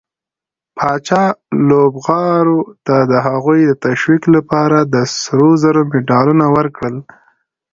پاچا لوبغارو ته د هغوي د تشويق لپاره د سروزرو مډالونه ورکړل.